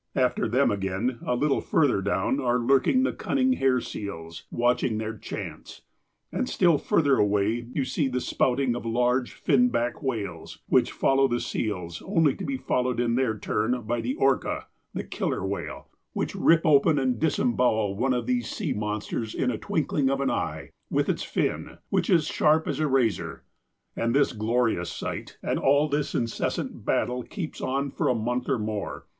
After them again, a little further down, are lurk ing the cunning hair seals, watching their chance ; and still further away you see the spouting of the large, fin back whales, wliich follow the seals, only to be followed in their turn by the orca, the whale killer, which will MODE OF LIVING 69 rip open and disembowel one of these sea monsters in the twinkling of an eye, with its fin, which is as sharp as a razor. And this glorious sight, and all this incessant battle, keeps on for a month or more.